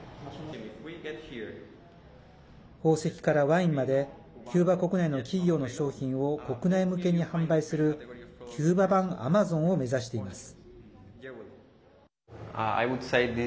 宝石からワインまでキューバ国内の企業の商品を国内向けに販売するキューバ版アマゾンを目指しています。